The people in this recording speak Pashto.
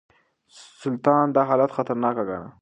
سلطان دا حالت خطرناک ګاڼه.